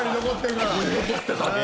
残ってた。